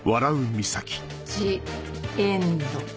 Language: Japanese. ジ・エンド。